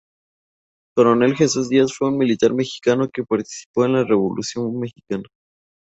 Coronel Jesús Díaz fue un militar mexicano que participó en la Revolución mexicana.